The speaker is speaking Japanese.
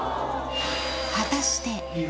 果たして？